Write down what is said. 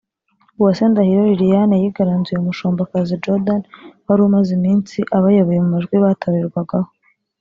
Uwase Ndahiro Liliane yigaranzuye Mushombakazi Jordan wari umaze iminsi abayoboye mu majwi batorerarwaho